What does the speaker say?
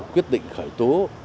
quyết định khởi tố